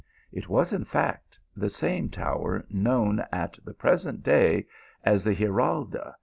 It was, in fact, the same tower known at the present day a$ the Giralda.